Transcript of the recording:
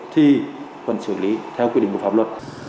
thì sẽ không đủ